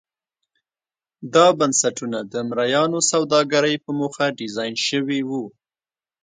دا بنسټونه د مریانو سوداګرۍ په موخه ډیزاین شوي وو.